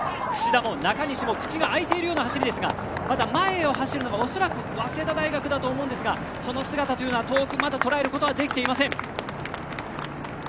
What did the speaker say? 櫛田も中西も口が開いているような走りですがただ、前を走るのは恐らく早稲田大学だと思いますがその姿というのは遠くまだ捉えることはできていません。